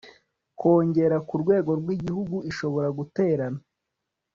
kongera ku rwego rw igihugu ishobora guterana